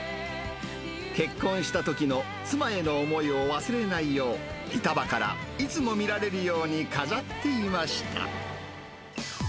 結婚したときの妻への思いを忘れないよう、板場からいつも見られるように飾っていました。